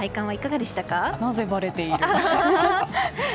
なぜバレている？